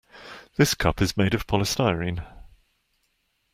This cup is made of polystyrene.